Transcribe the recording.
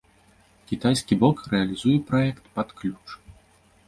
Кітайскі бок рэалізуе праект пад ключ.